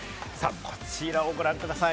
こちらをご覧ください。